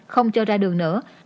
không cho ra đường nữa